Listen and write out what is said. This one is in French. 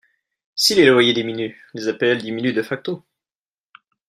Si les loyers diminuent, les APL diminuent de facto.